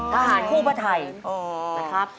ทหารคู่พระไทยนะครับ